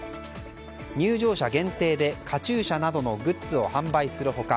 入場者限定でカチューシャなどのグッズを販売する他